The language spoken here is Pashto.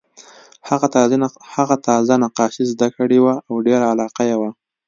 هغه تازه نقاشي زده کړې وه او ډېره علاقه یې وه